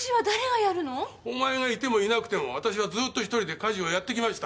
お前がいてもいなくても私はずーっと１人で家事をやってきました。